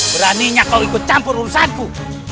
beraninya kau ikut campur urusanku